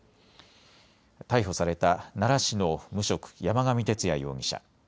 逮捕された奈良市の無職山上徹也容疑者。